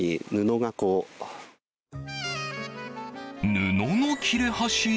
布の切れ端？